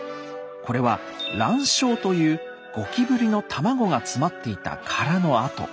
これは「卵鞘」というゴキブリの卵が詰まっていた殻の跡。